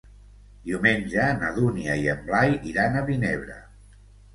Diumenge na Dúnia i en Blai iran a Vinebre.